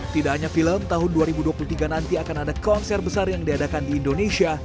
tidak hanya film tahun dua ribu dua puluh tiga nanti akan ada konser besar yang diadakan di indonesia